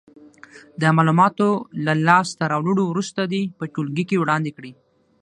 د معلوماتو له لاس ته راوړلو وروسته دې په ټولګي کې وړاندې کړې.